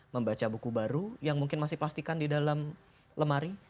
membaca buku baru yang mungkin masih plastikan di dalam lemari